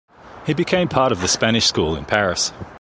He became part of the Spanish School in Paris.